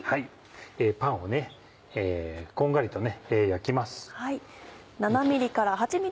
パンをこんがりと焼きます。